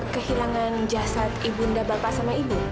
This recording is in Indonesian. kehilangan jasad ibu nda bapak sama ibu